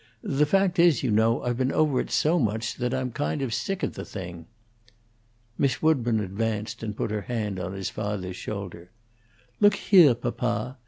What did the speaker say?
"The fact is, you know, I've been over it so much I'm kind of sick of the thing." Miss Woodburn advanced and put her hand on her father's shoulder. "Look heah, papa!